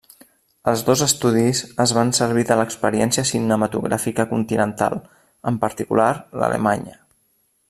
Els dos estudis es van servir de l'experiència cinematogràfica continental, en particular l'alemanya.